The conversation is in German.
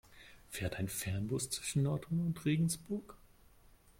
Fährt ein Fernbus zwischen Nordhorn und Regensburg?